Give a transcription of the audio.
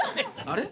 あれ？